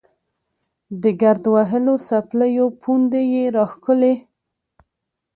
د ګرد وهلو څپلیو پوندې یې راښکلې.